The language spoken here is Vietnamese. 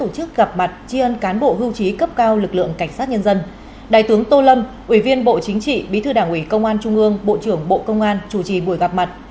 chuyên cán bộ hưu trí cấp cao lực lượng cảnh sát nhân dân đại tướng tô lâm ủy viên bộ chính trị bí thư đảng ủy công an trung ương bộ trưởng bộ công an chủ trì buổi gặp mặt